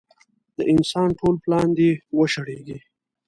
د انسان ټول پلان دې وشړېږي.